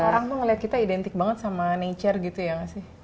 orang tuh ngeliat kita identik banget sama nature gitu ya gak sih